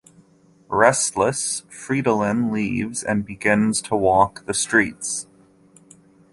Restless, Fridolin leaves and begins to walk the streets.